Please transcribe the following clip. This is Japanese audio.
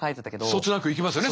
そつなくいきますよね